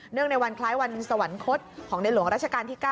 เนื่องในวันคล้ายวันสวรรคตของเด็ดหลวงราชกาลที่๙